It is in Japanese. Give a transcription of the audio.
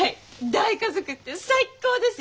大家族って最高ですよ。